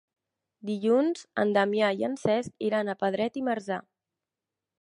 Dilluns en Damià i en Cesc iran a Pedret i Marzà.